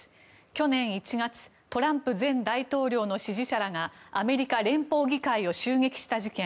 去年１月トランプ前大統領の支持者らがアメリカ連邦議会を襲撃した事件。